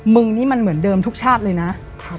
มึงนี่มันเหมือนเดิมทุกชาติเลยนะ